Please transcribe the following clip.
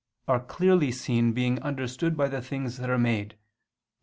. "are clearly seen, being understood by the things that are made" (Rom.